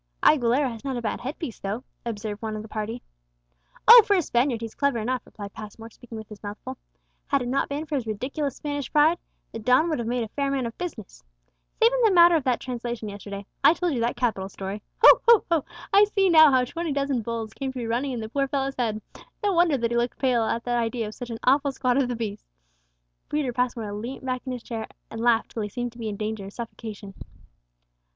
'" "Aguilera has not a bad headpiece, though," observed one of the party. "Oh, for a Spaniard he's clever enough," replied Passmore, speaking with his mouth full; "had it not been for his ridiculous Spanish pride, the don would have made a fair man of business. Save in that matter of the translation yesterday; I told you that capital story! ho, ho, ho! I see now how twenty dozen bulls came to be running in the poor fellow's head; no wonder that he looked pale at the idea of such an awful squad of the beasts!" Peter Passmore leant back in his chair, and laughed till he seemed to be in danger of suffocation.